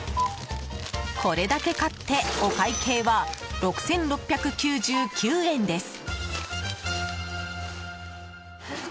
これだけ買ってお会計は６６９９円です。